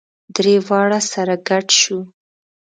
درې واړه سره ګډ شوو.